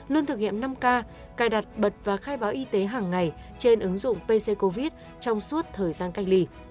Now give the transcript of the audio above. luôn thực hiện năm k cài đặt bật và khai báo y tế hàng ngày trên ứng dụng pc covid trong suốt thời gian cách ly